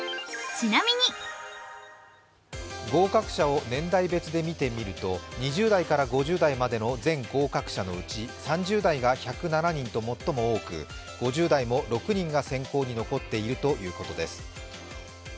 合格者を年代別で見てみると２０代から５０代の全合格者のうち３０代が１０７人と最も多く５０代も６人が選考に残っているということです。